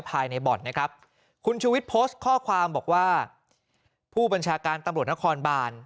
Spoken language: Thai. ภายในบ่อนนะครับคุณชูวิทย์โพสต์ข้อความบอกว่าผู้บัญชาการตำรวจนครบาน